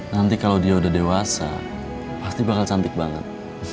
nanti kalau dia udah dewasa pasti bakal cantik banget